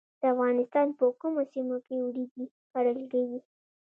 د افغانستان په کومو سیمو کې وریجې کرل کیږي؟